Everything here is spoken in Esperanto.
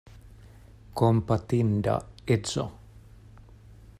Kompatinda edzo!